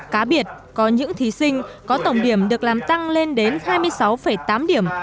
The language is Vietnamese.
cá biệt có những thí sinh có tổng điểm được làm tăng lên đến hai mươi sáu tám điểm